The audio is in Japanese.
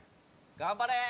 頑張れー！